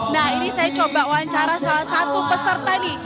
nah ini saya coba wawancara salah satu peserta nih